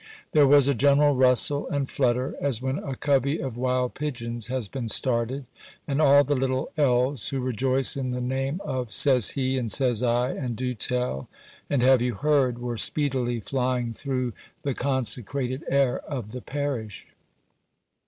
There was a general rustle and flutter, as when a covey of wild pigeons has been started, and all the little elves who rejoice in the name of 'says he,' and 'says I,' and 'do tell,' and 'have you heard,' were speedily flying through the consecrated air of the parish.